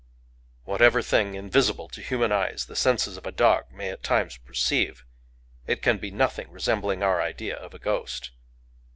Whatever thing invisible to human eyes the senses of a dog may at times perceive, it can be nothing resembling our idea of a ghost.